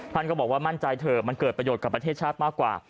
ท่านก็บอกว่ามั่นใจเถอะมันเกิดประโยชน์กับประเทศชาติมากกว่า